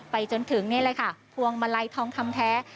จนถึงนี่แหละค่ะพวงมาลัยทองคำแท้